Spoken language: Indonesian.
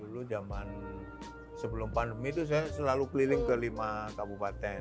dulu zaman sebelum pandemi itu saya selalu keliling ke lima kabupaten